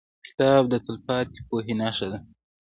کتاب د تلپاتې پوهې نښه ده.